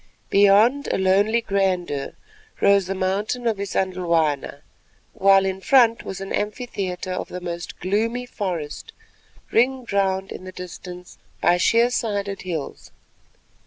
Beyond, in lonely grandeur, rose the mountain of Isandhlwana, while in front was an amphitheatre of the most gloomy forest, ringed round in the distance by sheer sided hills.